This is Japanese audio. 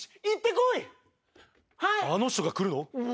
あの人が来るの？